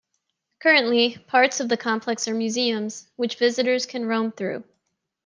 Currently, parts of the complex are museums, which visitors can roam through.